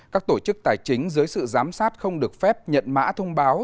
các tổ chức tài chính dưới sự giám sát không được phép nhận mã thông báo